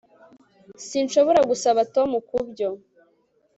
Sinshobora gusaba Tom kubyo